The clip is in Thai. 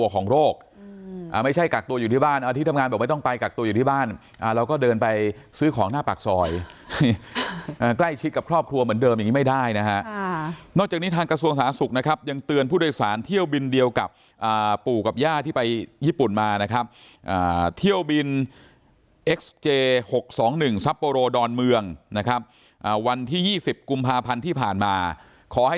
คุณปกปิดการให้ข้อมูลตั้งแต่วันแรกคุณปกปิดการให้ข้อมูลตั้งแต่วันแรกคุณปกปิดการให้ข้อมูลตั้งแต่วันแรกคุณปกปิดการให้ข้อมูลตั้งแต่วันแรกคุณปกปิดการให้ข้อมูลตั้งแต่วันแรกคุณปกปิดการให้ข้อมูลตั้งแต่วันแรกคุณปกปิดการให้ข้อมูลตั้งแต่วันแรกคุณปกปิดการให